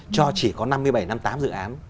cho chỉ có năm mươi bảy năm mươi tám dự án